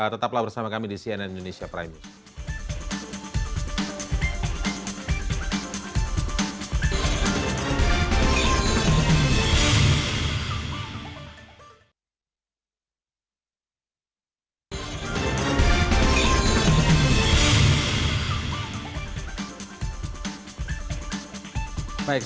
tetaplah bersama kami di cnn indonesia prime news